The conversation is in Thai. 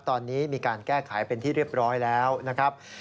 ตอนนี้มีการแก้ไขเป็นที่เรียบร้อยแล้วนะครับ